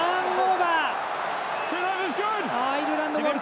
アイルランドボール。